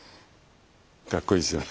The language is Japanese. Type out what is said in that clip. かっこいいですよね。